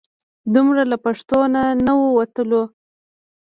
دومره له پښتو نه نه وتلو.